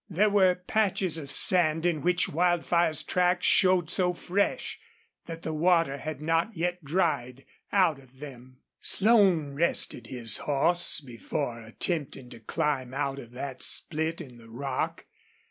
There were patches of sand in which Wildfire's tracks showed so fresh that the water had not yet dried out of them. Slone rested his horse before attempting to climb out of that split in the rock.